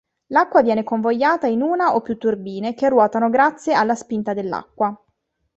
L'acqua viene convogliata in una o più turbine che ruotano grazie alla spinta dell'acqua.